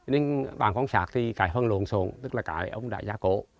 nên bằng quan sát thì cái phân luận sồn tức là cái ông đã gia cổ